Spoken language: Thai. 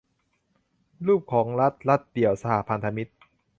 รูปของรัฐ : รัฐเดี่ยว สหพันธรัฐ